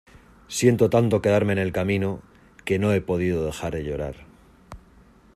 siento tanto quedarme en el camino, que no he podido dejar de llorar